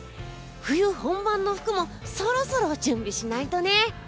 冬本番の服もそろそろ準備しないとね！